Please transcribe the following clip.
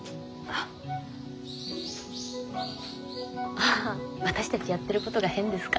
ああ私たちやってることが変ですか？